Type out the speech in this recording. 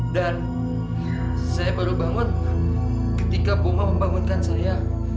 dan saya baru bangun ketika buma membangunkan saya